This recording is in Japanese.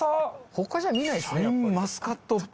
他じゃ見ないですねやっぱり。